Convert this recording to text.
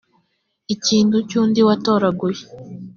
ikintu cy undi watoraguye